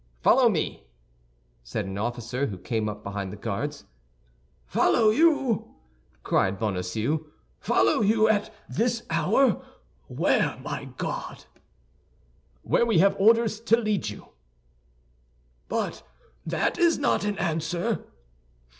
"Follow me," said an officer, who came up behind the guards. "Follow you!" cried Bonacieux, "follow you at this hour! Where, my God?" "Where we have orders to lead you." "But that is not an answer."